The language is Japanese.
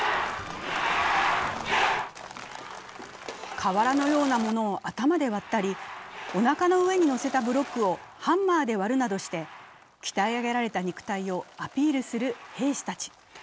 瓦のようなものを頭で割ったりおなかの上にのせたブロックをハンマーで割るなどして鍛え上げられた肉体をアピールする兵士たち。